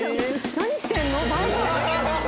何してるの？